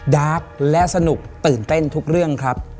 ดาร์กและสนุกตื่นเต้นทุกเรื่องครับ